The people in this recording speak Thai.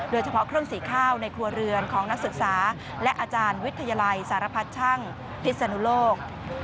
โดยเฉพาะเครื่องสีข้าวในครัวเรือนของนักศึกษาและอาจารย์วิทยาลัยสารพัดช่างพิศนุโลก